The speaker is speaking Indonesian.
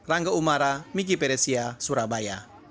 rangga umara miki peresia surabaya